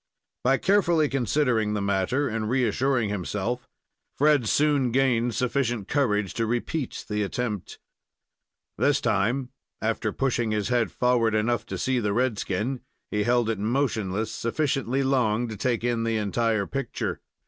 By carefully considering the matter and reassuring himself, Fred soon gained sufficient courage to repeat the attempt. This time, after pushing his head forward enough to see the red skin, he held it motionless sufficiently long to take in the entire picture.